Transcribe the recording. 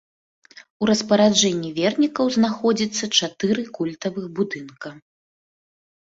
У распараджэнні вернікаў знаходзіцца чатыры культавых будынка.